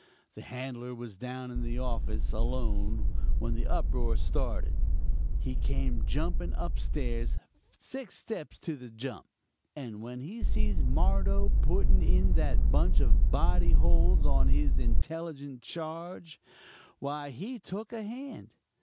The handler was down in the office, alone, when the uproar started; he came jumping upstairs six steps to the jump and when he sees Mardo putting in that bunch of body holds on his intelligent charge, why, he took a hand.